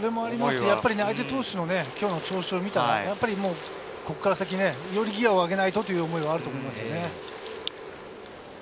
相手投手の今日の調子を見ると、ここから先、よりギアを上げないとという思いはあると思います。